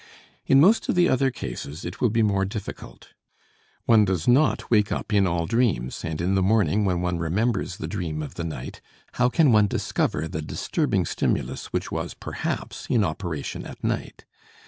In most of the other cases it will be more difficult. One does not wake up in all dreams, and in the morning, when one remembers the dream of the night, how can one discover the disturbing stimulus which was perhaps in operation at night?